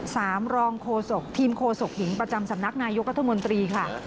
รองโฆษกทีมโคศกหญิงประจำสำนักนายกรัฐมนตรีค่ะ